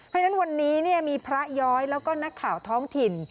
เพราะฉะนั้นวันนี้มีพระย้อยแล้วก็นักข่าวท้องถิ่น